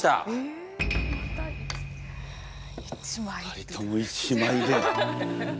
２人とも１枚で。